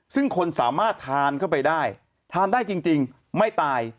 ซึ่งคนสามารถทานเข้าไปได้ทานได้จริงไม่ตาย